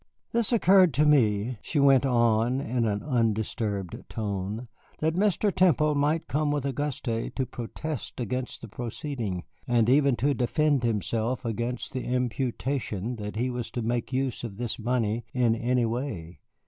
"This occurred to me," she went on in an undisturbed tone, "that Mr. Temple might come with Auguste to protest against the proceeding, or even to defend himself against the imputation that he was to make use of this money in any way.